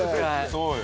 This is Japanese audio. そうよ。